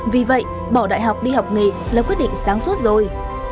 vì vậy bỏ đại học đi học nghề là quyết định sáng suốt rồi